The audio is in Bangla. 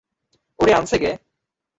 ওরে আনছে কে?